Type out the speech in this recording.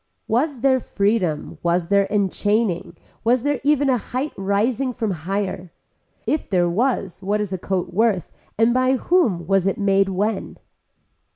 Was there freedom, was there enchaining, was there even a height rising from higher. If there was what is a coat worth and by whom was it made when.